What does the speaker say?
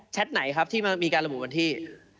แชทไหนครับที่มีการระบุวันที่